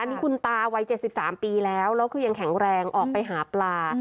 อันนี้คุณตาไว้เจ็ดสิบสามปีแล้วแล้วคือยังแข็งแรงออกไปหาปลา